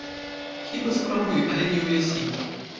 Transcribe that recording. Хіба спрабуй, але не ўясі.